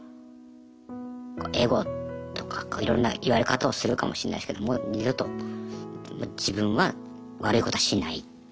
エゴとかいろんな言われ方をするかもしれないですけどもう二度と自分は悪いことはしない。